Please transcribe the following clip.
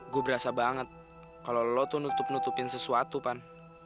gue berasa banget kalau lo tuh nutup nutupin sesuatu pan